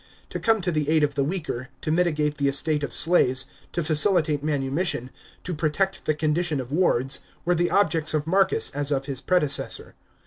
To come to the aid of the weaker, to mitigate the estate of slaves, to facilitate manumission, to protect the condition of wards, were the objects of Marcus as of his predecessor.